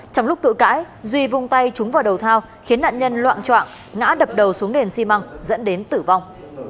trong lúc cự cãi duy vung tay trúng vào đầu thao khiến nạn nhân loạn trọng ngã đập đầu xuống nền xi măng dẫn đến tử vong